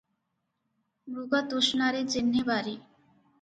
ମୃଗତୃଷ୍ଣାରେ ଯେହ୍ନେ ବାରି ।